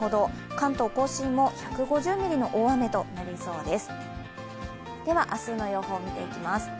関東甲信も１５０ミリの大雨となりそうです。